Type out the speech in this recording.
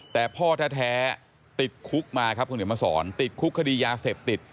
แต่พ่อแท้ติดคุกมาครับคุณเดี๋ยวมาสอนติดคุกคดียาเสพติด